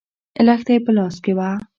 لښته يې په لاس کې وه.